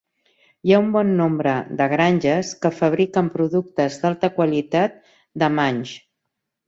Hi ha un bon nombre de granges que fabriquen productes d'alta qualitat de Manx.